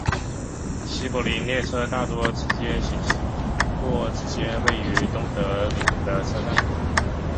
西柏林列车大多直接驶过这些位于东德领土的车站。